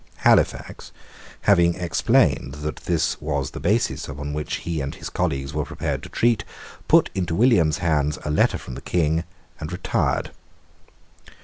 Halifax, having explained that this was the basis on which he and his colleagues were prepared to treat, put into William's hands a letter from the King, and retired.